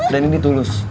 dan ini tulus